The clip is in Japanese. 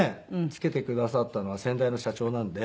付けてくださったのは先代の社長なんで。